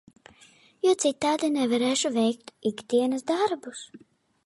Jo citādi nevarēšu veikt ikdienas darbus.